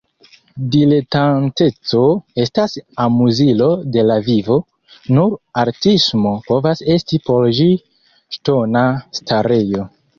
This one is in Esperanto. Diletanteco estas amuzilo de la vivo, nur artismo povas esti por ĝi ŝtona starejo.